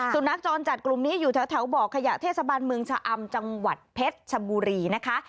สุนัขจรจัดกลุ่มนี้อยู่แถวบ่อขยะเทศบาลเมืองชะอำจังหวัดเพชรชบุรีนะคะ